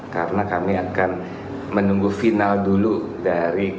karena kami akan menunggu final dulu dari